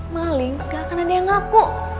maling gak akan ada yang ngaku